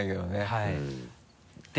はい。